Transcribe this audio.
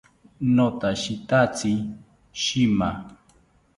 Notashitatzi shima